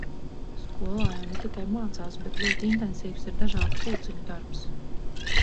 Skolā jau ne tikai mācās, bet ļoti intensīvs ir dažādu pulciņu darbs.